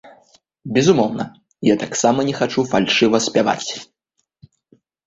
Безумоўна, я таксама не хачу фальшыва спяваць.